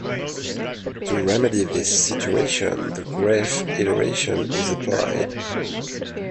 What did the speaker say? To remedy this situation, the Graeffe iteration is applied.